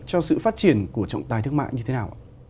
cho sự phát triển của trọng tài thương mạng như thế nào